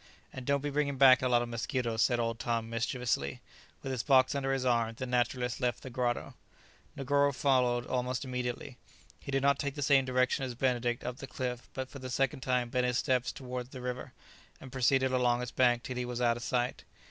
"And don't be bringing back a lot of mosquitoes," said old Tom mischievously. With his box under his arm, the naturalist left the grotto. Negoro followed almost immediately. He did not take the same direction as Benedict up the cliff, but for the second time bent his steps towards the river, and proceeded along its bank till he was out of sight.